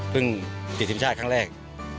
พึ่งปีที่สินชาติครั้งแรก